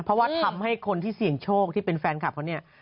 เพราะว่าทำให้คนที่เสี่ยงโชคที่เป็นแฟนคลับเขาเนี่ย